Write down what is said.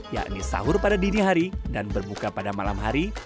yakni sahur pada dini hari dan berbuka pada malam hari